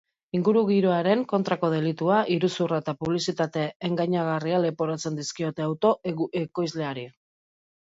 Ingurugiroaren kontrako delitua, iruzurra eta publizitate engainagarria leporatzen dizkiote auto ekoizleari.